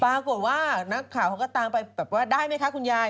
ปรากฏว่านักข่าวเขาก็ตามไปแบบว่าได้ไหมคะคุณยาย